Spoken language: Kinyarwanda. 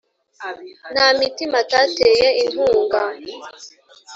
Nta mitima atateye inkunga;